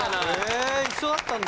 え一緒だったんだ。